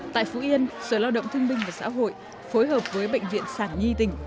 tại phú yên sở lao động thương binh và xã hội phối hợp với bệnh viện sản nhi tỉnh